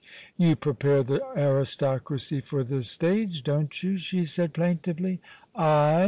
"You prepare the aristocracy for the stage, don't you?" she said plaintively. "I!"